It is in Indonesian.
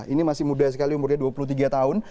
ini masih muda sekali umurnya dua puluh tiga tahun